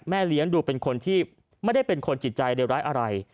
แม่เรียงดูเป็นคนที่ไม่ได้เป็นคนจิตใจเดียวไรอะไร